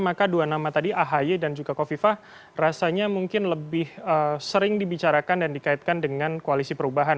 maka dua nama tadi ahy dan juga kofifah rasanya mungkin lebih sering dibicarakan dan dikaitkan dengan koalisi perubahan